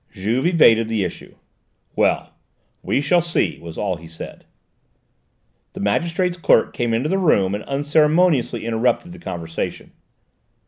Juve evaded the issue. "Well, we shall see," was all he said. The magistrate's clerk came into the room and unceremoniously interrupted the conversation.